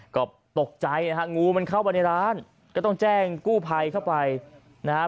ก็ตกใจนะฮะงูมันเข้าไปในร้านก็ต้องแจ้งกู้ภัยเข้าไปนะฮะ